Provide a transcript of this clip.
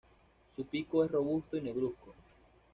Su pico es robusto y negruzco.